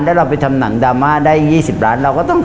แล้วเราไปทำหนังดามาได้๒๐ล้าน